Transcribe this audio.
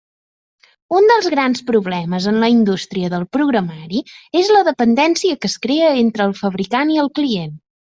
Un dels grans problemes en la indústria del programari és la dependència que es crea entre el fabricant i el client.